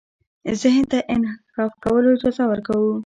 ذهن ته د انحراف کولو اجازه ورکوو.